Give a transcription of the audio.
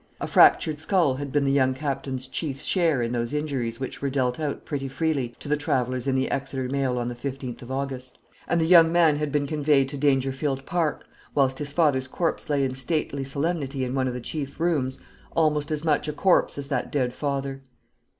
A fractured skull had been the young Captain's chief share in those injuries which were dealt out pretty freely to the travellers in the Exeter mail on the 15th of August; and the young man had been conveyed to Dangerfield Park, whilst his father's corpse lay in stately solemnity in one of the chief rooms, almost as much a corpse as that dead father.